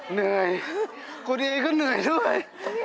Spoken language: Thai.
เหนื่อยคนเองก็เหนื่อยด้วย